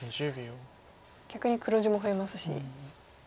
逆に黒地も増えますし。